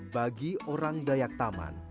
bagi orang dayak taman